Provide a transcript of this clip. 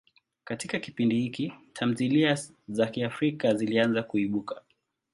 Katika kipindi hiki, tamthilia za Kiafrika zilianza kuibuka.